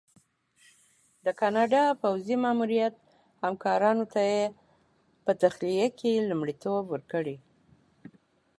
د کاناډا پوځي ماموریت همکارانو ته یې په تخلیه کې لومړیتوب ورکړی.